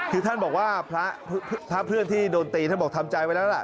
คือท่านบอกว่าพระเพื่อนที่โดนตีท่านบอกทำใจไว้แล้วล่ะ